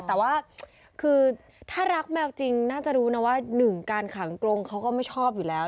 แต่ว่าคือถ้ารักแมวจริงน่าจะรู้นะว่าหนึ่งการขังกรงเขาก็ไม่ชอบอยู่แล้ว